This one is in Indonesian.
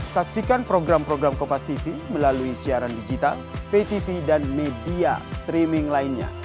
saksikan program program kompastv melalui siaran digital ptv dan media streaming lainnya